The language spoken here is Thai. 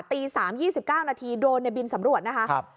ตี๓นาที๒๙โดนในบินสำรวจนะฮะ